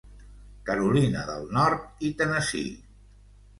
Carolina del Nord i Tennessee.